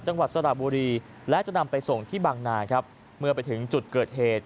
จังหวัดสระบุรีและจะนำไปส่งที่บางนาครับเมื่อไปถึงจุดเกิดเหตุ